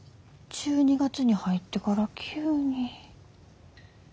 １２月に入ってから急に。